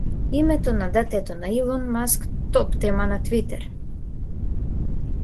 Името на детето на Илон Маск топ тема на Твитер